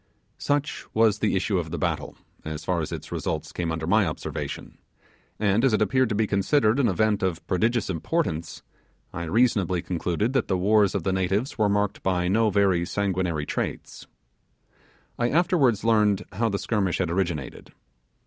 Such was the issue of the battle, as far as its results came under my observation: and as it appeared to be considered an event of prodigious importance, I reasonably concluded that the wars of the natives were marked by no very sanguinary traits. I afterwards learned how the skirmish had originated.